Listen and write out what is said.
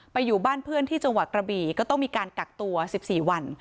อยู่บ้านเพื่อนที่จังหวัดกระบี่ก็ต้องมีการกักตัว๑๔วัน